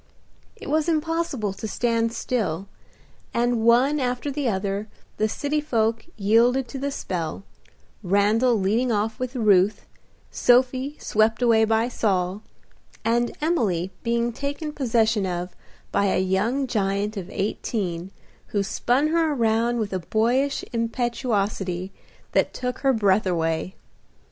It was impossible to stand still, and one after the other the city folk yielded to the spell, Randal leading off with Ruth, Sophie swept away by Saul, and Emily being taken possession of by a young giant of eighteen, who spun her around with a boyish impetuosity that took her breath away.